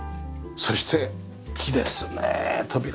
そして木ですね扉が。